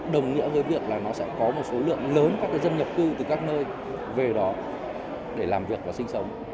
đồng nghĩa với việc là nó sẽ có một số lượng lớn các dân nhập cư từ các nơi về đó để làm việc và sinh sống